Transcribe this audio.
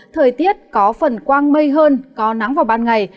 thời tiết có phần quang mây hơn có nắng vào ban ngày